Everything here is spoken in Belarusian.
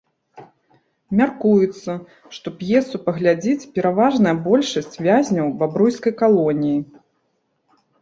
Мяркуецца, што п'есу паглядзіць пераважная большасць вязняў бабруйскай калоніі.